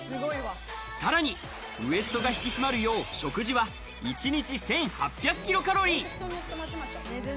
さらに、ウエストが引き締まるよう、食事は一日１８００ｋｃａｌ。